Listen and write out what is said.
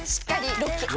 ロック！